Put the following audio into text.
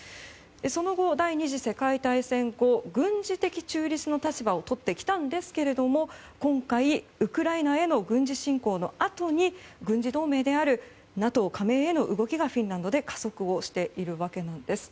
その後、第２次世界大戦後軍事的中立の立場をとってきたんですが今回、ウクライナへの軍事侵攻のあとに軍事同盟であるＮＡＴＯ加盟への動きがフィンランドで加速をしているわけなんです。